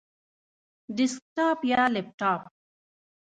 ډیسکټاپ یا لپټاپ؟